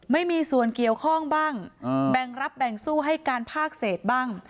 ไม่มีส่วนเกี่ยวข้องบ้างแบ่งรับแบ่งสู้ให้การภาคเศษบ้าง